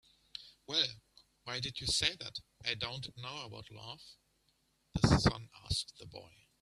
"Well, why did you say that I don't know about love?" the sun asked the boy.